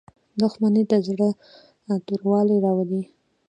• دښمني د زړه توروالی راولي.